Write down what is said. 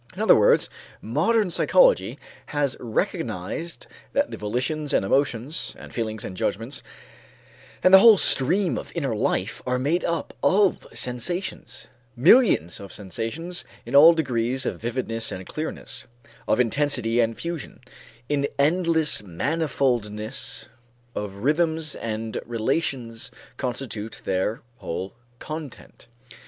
In other words modern psychology has recognized that the volitions and emotions and feelings and judgments, and the whole stream of inner life, are made up of sensations. Millions of sensations in all degrees of vividness and clearness, of intensity and fusion, in endless manifoldness of rhythms and relations constitute their whole content.